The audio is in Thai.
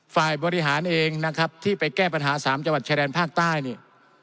ฝ่ายบริหารเองนะครับที่ไปแก้ปัญหา๓จังหวัดชายแดนภาคใต้นี่